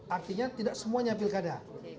artinya tidak semuanya pilkada